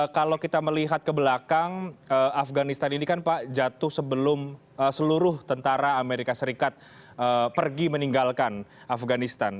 kalau kita melihat ke belakang afganistan ini kan pak jatuh sebelum seluruh tentara amerika serikat pergi meninggalkan afganistan